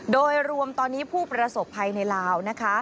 โดยรวมตอนนี้ผู้ประสบภัยในลาวนะคะ